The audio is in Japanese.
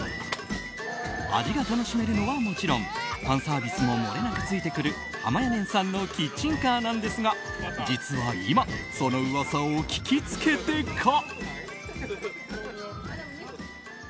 味が楽しめるのはもちろんファンサービスももれなくついてくるはまやねんさんのキッチンカーなんですが実は今、その噂を聞きつけてか。